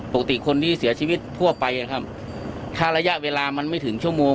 ปกติคนที่เสียชีวิตทั่วไปนะครับถ้าระยะเวลามันไม่ถึงชั่วโมง